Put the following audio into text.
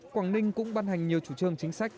quảng ninh cũng ban hành nhiều chủ trương chính sách